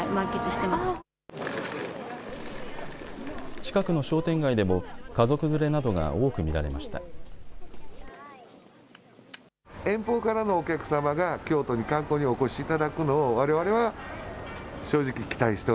近くの商店街でも家族連れなどが多く見られました。